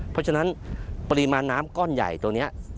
เพราะฉะนั้นปริมาณน้ำก้อนใหญ่ตัวนี้